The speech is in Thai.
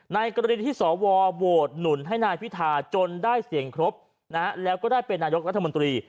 ในกรณีที่สวโหวตหนุนให้นายพิธาจนได้เสียงครบแล้วก็ได้เป็นนายกรัฐมนตรี